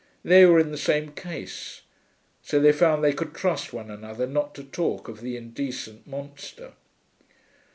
They were in the same case. So they found they could trust one another not to talk of the indecent monster.